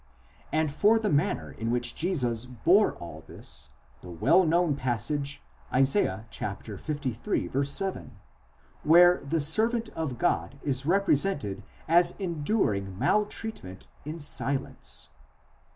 iv. 14); and for the manner in which Jesus. bore all this, the well known passage Isa. liii. 7, where the servant of God is. represented as enduring maltreatment in silence.